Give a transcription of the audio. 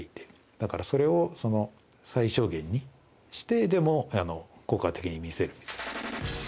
だからそれをその最小限にしてでも効果的に見せるみたいな。